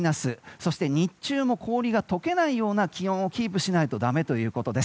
そして日中も氷が解けないような気温をキープしないとダメということです。